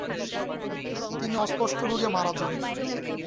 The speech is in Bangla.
তিনি অস্পষ্ট রোগে মারা যান।